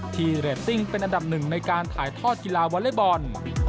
เรตติ้งเป็นอันดับหนึ่งในการถ่ายทอดกีฬาวอเล็กบอล